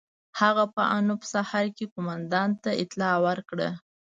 هغه په انوپ سهر کې قوماندان ته اطلاع ورکړه.